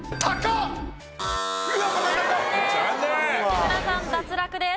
吉村さん脱落です。